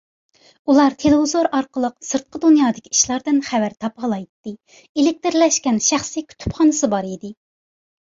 ئۇلار تېلېۋىزور ئارقىلىق سىرتقى دۇنيادىكى ئىشلاردىن خەۋەر تاپالايتتى ئېلېكترلەشكەن شەخسىي كۇتۇپخانىسى بار ئىدى.